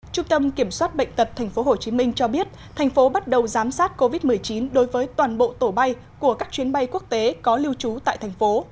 trung tâm kiểm soát bệnh tật tp hcm cho biết thành phố bắt đầu giám sát covid một mươi chín đối với toàn bộ tổ bay của các chuyến bay quốc tế có lưu trú tại thành phố